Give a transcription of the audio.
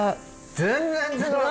全然違う！